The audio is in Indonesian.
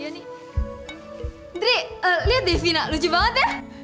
diri liat deh fina lucu banget ya